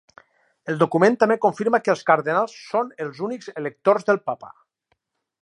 El document també confirma que els cardenals són els únics electors del papa.